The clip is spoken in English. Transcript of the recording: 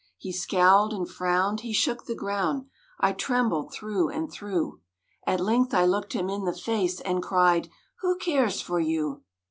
He scowled and frowned; he shook the ground; I trembled through and through; At length I looked him in the face And cried, "Who cares for you?"